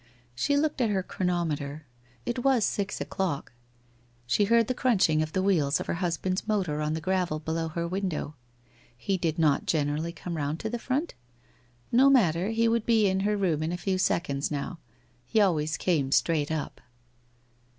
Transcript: ... She looked at her chronometer. It was six o'clock. She heard the scrunching of the wheels of her husband's motor on the gravel below her window. He did not generally come round to the front? No matter, he would be in her room in a few seconds now. He always came straight up.